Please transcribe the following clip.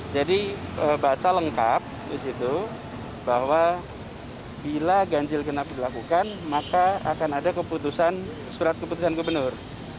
jadi baca lengkap disitu bahwa bila ganjil genap dilakukan maka akan ada keputusan surat keputusan gubernur